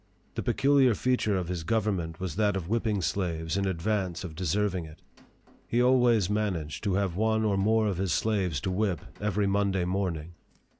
The peculiar feature of his government was that of whip ping slaves in advance of deserving it. He always managed to have one or more of his slaves to whip every Monday morning.